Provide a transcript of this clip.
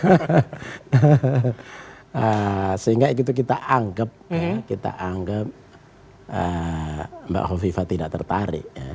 ya sehingga itu kita anggap mbak hovifa tidak tertarik